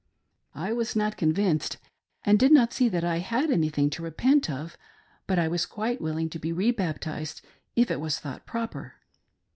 I was not convinced, and did not see that I had anything to repent of, but I was quite willing to be re baptized if it was thought proper.